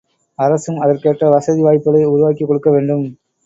அரசும் அதற்கேற்ற வசதி வாய்ப்புகளை உருவாக்கிக் கொடுக்கவேண்டும்.